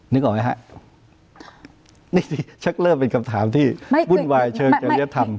นึกออกไหมฮะนี่แช็กเลิฟเป็นคำถามที่บุ่นวายเชิงจะเรียบทำ